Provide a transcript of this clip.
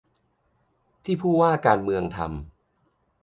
ที่ผู้ว่าการเมืองทำ